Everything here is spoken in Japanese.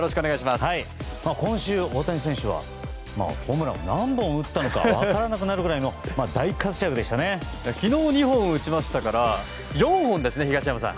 今週、大谷選手はホームランを何本打ったのか分からなくなるくらいの昨日２本打ちましたから４本ですね、東山さん。